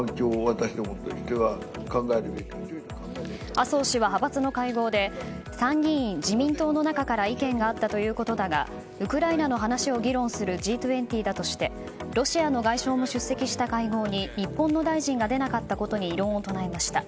麻生氏は派閥の会合で参議院、自民党の中から意見があったということだがウクライナの話を議論するＧ２０だとしてロシアの外相も出席した会合に日本の大臣が出なかったことに異論を唱えました。